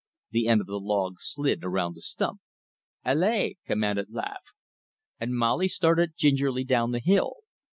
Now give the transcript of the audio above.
The end of the log slid around the stump. "Allez!" commanded Laveque. And Molly started gingerly down the hill.